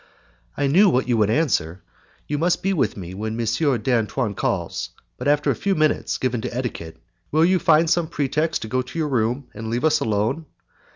"I knew what you would answer. You must be with me when M. d'Antoine calls, but after a few minutes given to etiquette, will you find some pretext to go to your room, and leave us alone?